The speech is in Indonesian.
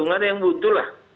tidak ada yang buntu lah